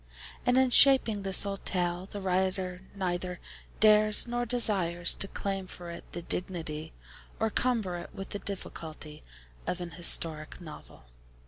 And in shaping this old tale, the Writer neither dares, nor desires, to claim for it the dignity or cumber it with the difficulty of an historic novel.